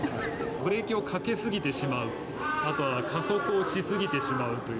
ブレーキをかけ過ぎてしまう、あとは加速をし過ぎてしまうという。